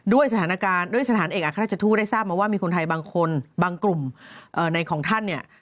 ด้วยสถานการณ์ด้วยสถานเอกอัฐชทธุได้ทราบมาว่ามีคนไทยบางคนบางกลุ่มในกลุ่มของท่าน